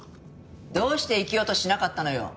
どうして生きようとしなかったのよ！